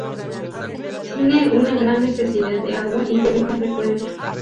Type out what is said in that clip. Tiene una gran necesidad de agua y bebe con frecuencia.